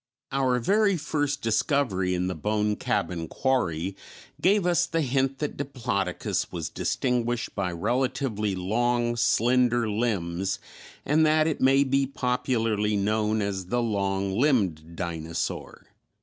Our very first discovery in the Bone Cabin Quarry gave us the hint that Diplodocus was distinguished by relatively long, slender limbs, and that it may be popularly known as the "long limbed dinosaur."